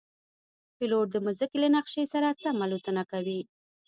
پیلوټ د مځکې له نقشې سره سم الوتنه کوي.